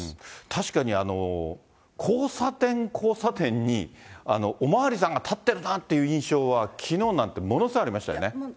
確かに、交差点交差点にお巡りさんが立っているなという印象は、きのうなんてものすごいありましたよね。